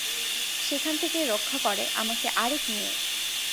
সেখান থেকে রক্ষা করে আমাকে আরেক মেয়ে।